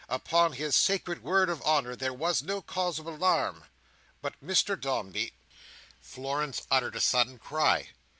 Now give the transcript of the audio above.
Upon his sacred word of honour, there was no cause of alarm. But Mr Dombey— Florence uttered a sudden cry.